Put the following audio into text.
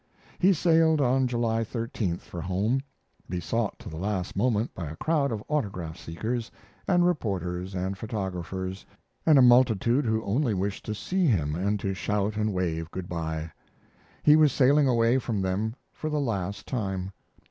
He sailed on July 13th for home, besought to the last moment by a crowd of autograph seekers and reporters and photographers, and a multitude who only wished to see him and to shout and wave good by. He was sailing away from them for the last time.